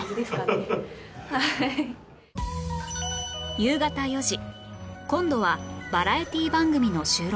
夕方４時今度はバラエティー番組の収録